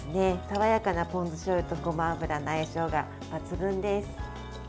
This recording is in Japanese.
爽やかなポン酢しょうゆとごま油の相性が抜群です。